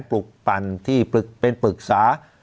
ปลุกปั่นที่เป็นปรึกษา